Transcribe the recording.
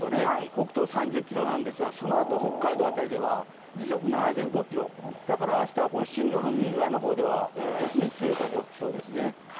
北東３０キロなんですが北海道の辺りは時速７５キロだから明日は進路の右側の方では特に強い風が吹きそうですね。